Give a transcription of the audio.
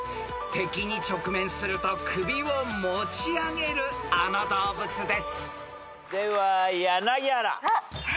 ［敵に直面すると首を持ち上げるあの動物です］では柳原。